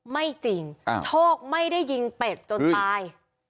ไม่จริงโชคไม่ได้ยิงเป็ดจนตาย